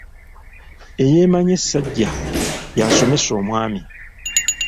Eyeemanyi essajja, y'asomesa omwami.